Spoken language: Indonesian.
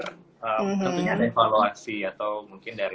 tentunya ada evaluasi atau mungkin dari